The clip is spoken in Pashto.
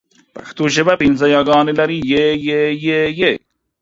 پښتو ژبه پینځه یاګانې لري: ی، ي، ئ، ې او ۍ